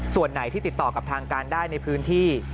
ส่วนไหนที่ติดต่อกับทางการได้ในพื้นที่